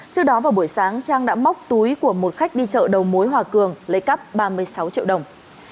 trước đó vào buổi sáng trang đã móc túi của một khách đi chợ đầu mối hòa cường lấy cắp ba mươi sáu triệu đồng